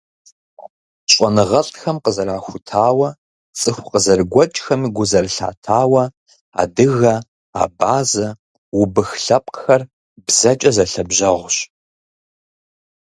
Щӏэныгъэлӏхэм къызэрахутауэ, цӏыху къызэрыгуэкӏхэми гу зэрылъатауэ, адыгэ, абазэ, убых лъэпкъхэр бзэкӏэ зэлъэбжьэгъущ.